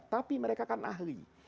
tapi mereka kan ahli